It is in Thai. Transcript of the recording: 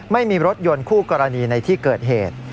ไม่มีรถยนต์คู่กรณีในที่เกิดเหตุ